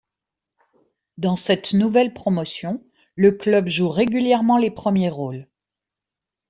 Dans cette nouvelle Promotion, le club joue régulièrement les premiers rôles.